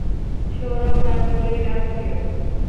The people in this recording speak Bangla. সৌরভ গাঙ্গুলীর আত্নীয়।